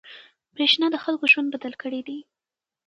برېښنا د خلکو ژوند بدل کړی دی.